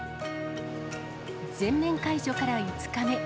全面解除から５日目。